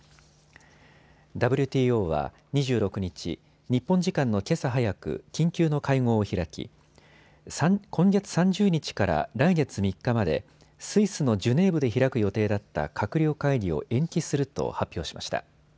ＷＴＯは２６日、日本時間のけさ早く緊急の会合を開き今月３０日から来月３日までスイスのジュネーブで開く予定だった閣僚会議を延期すると発表しました。